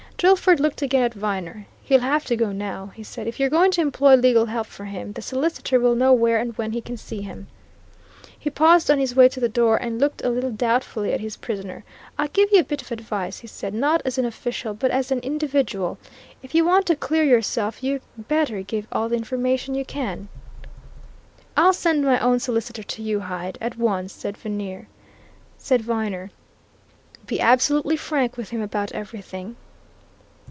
Drillford looked again at Viner. "He'll have to go, now," he said. "If you're going to employ legal help for him, the solicitor will know where and when he can see him." He paused on his way to the door and looked a little doubtfully at his prisoner. "I'll give you a bit of advice," he said, "not as an official, but as an individual. If you want to clear yourself, you'd better give all the information you can." "I'll send my own solicitor to you, Hyde, at once," said Viner. "Be absolutely frank with him about everything."